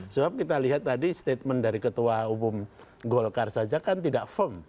sebab kita lihat tadi statement dari ketua umum golkar saja kan tidak firm